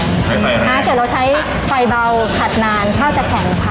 ก็เลี้ยวไฟใบหนาที่เราใช้ไฟเบาผัดนานข้าวจากแข็งค่ะ